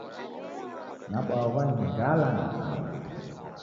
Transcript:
Nabwaghwa ni njala na kau